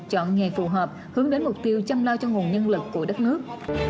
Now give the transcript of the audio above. chọn nghề phù hợp hướng đến mục tiêu chăm lo cho nguồn nhân lực của đất nước